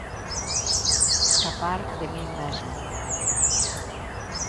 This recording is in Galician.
Escapar de min mesmo.